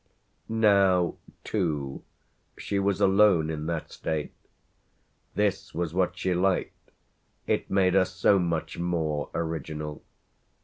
Now too she was alone in that state: this was what she liked; it made her so much more original.